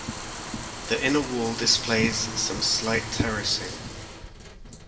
The inner wall displays some slight terracing.